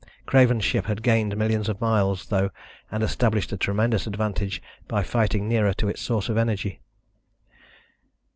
Craven's ship had gained millions of miles, though, and established a tremendous advantage by fighting nearer to its source of energy.